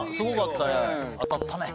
当たったね。